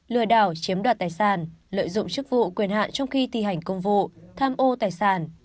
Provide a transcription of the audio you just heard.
lừa đảo chiếm đoạt tài sản lợi dụng chức vụ quyền hạn trong khi thi hành công vụ tham ô tài sản